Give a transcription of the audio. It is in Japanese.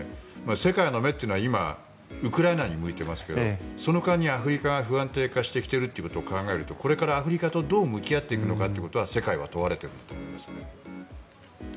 世界の目は今ウクライナに向いていますがその間にアフリカが不安定化しているところを考えるとこれからアフリカとどう向き合っていくかが世界は問われていると思います。